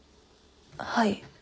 はい。